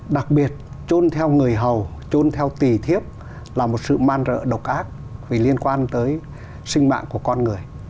đặc biệt trôn theo người hầu trôn theo tỷ thiếp là một sự man rợ độc ác vì liên quan tới sinh mạng của con người